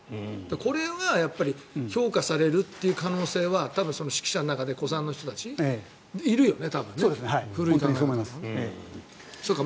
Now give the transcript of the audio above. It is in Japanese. これが評価されるっていう可能性は多分、識者の中で古参の人たち、いるよね。